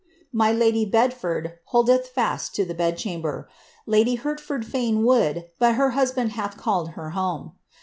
^ y\y ]v:y Bedford holdeth fast to the bed chamber ; lady Hertford fain woulii. bi,L her husband hath called her home.